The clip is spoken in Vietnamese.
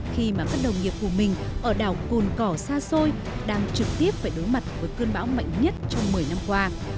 khi mà các đồng nghiệp của mình ở đảo cồn cỏ xa xôi đang trực tiếp phải đối mặt với cơn bão mạnh nhất trong một mươi năm qua